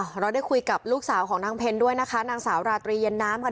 เราได้คุยกับลูกสาวของนางเพลด้วยนะคะนางสาวราตรีเย็นน้ำค่ะ